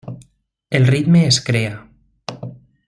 El ritme es crea: